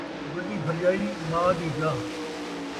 وݙی بھرڄائی ماء دی جاہ